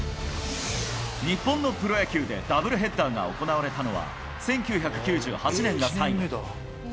日本のプロ野球でダブルヘッダーが行われたのは、１９９８年が最後。